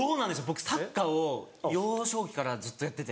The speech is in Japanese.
僕サッカーを幼少期からずっとやってて。